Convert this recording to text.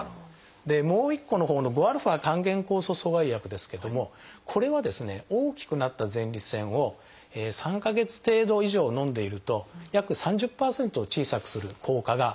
もう一個のほうの５α還元酵素阻害薬ですけどもこれは大きくなった前立腺を３か月程度以上のんでいると約３０％小さくする効果があります。